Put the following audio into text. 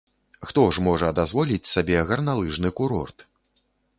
Хто ж можа дазволіць сабе гарналыжны курорт?